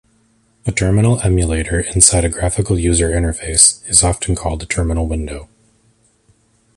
A terminal emulator inside a graphical user interface is often called a terminal window.